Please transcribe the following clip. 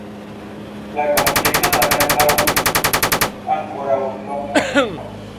La konflikto tamen daŭris ankoraŭ longan tempon.